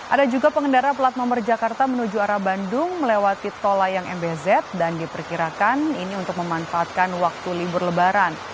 ada juga pengendara plat nomor jakarta menuju arah bandung melewati tol layang mbz dan diperkirakan ini untuk memanfaatkan waktu libur lebaran